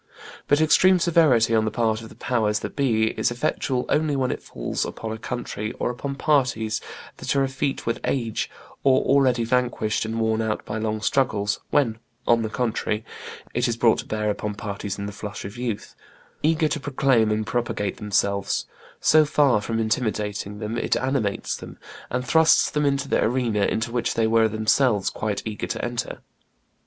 But extreme severity on the part of the powers that be is effectual only when it falls upon a country or upon parties that are effete with age, or already vanquished and worn out by long struggles; when, on the contrary, it is brought to bear upon parties in the flush of youth, eager to proclaim and propagate themselves, so far from intimidating them, it animates them, and thrusts them into the arena into which they were of themselves quite eager to enter.